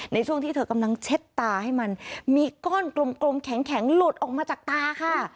ในช่วงที่เธอกำลังเช็ดตาให้มันมีก้อนกลมแข็งหลุดออกมาจากตาค่ะ